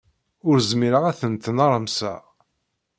Ur zmireɣ ara ad tent-nermseɣ.